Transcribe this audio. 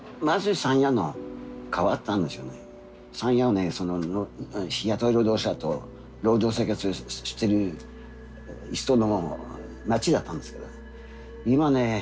山谷はね日雇い労働者と路上生活してる人の街だったんですけど今ね